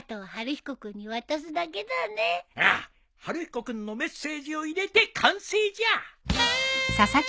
晴彦君のメッセージを入れて完成じゃ！